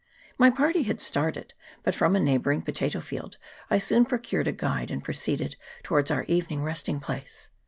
My party had started ; but from a neighbouring potato field I soon procured a guide, and proceeded towards our evening resting place.